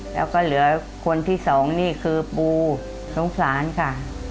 แล้วก็เหลือคนที่สองนี่คือปูสงสารค่ะ